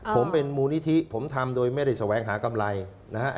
ผมเป็นมูลนิธิผมทำโดยไม่ได้แสวงหากำไรนะฮะ